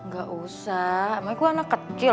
gak usah emang gue anak kecil